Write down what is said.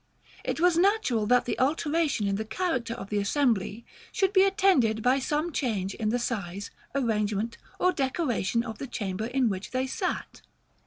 It was natural that the alteration in the character of the assembly should be attended by some change in the size, arrangement, or decoration of the chamber in which they sat.